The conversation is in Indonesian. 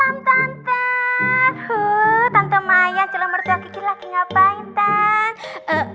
huh tante mayang selamat mertua kiki lagi ngapain tante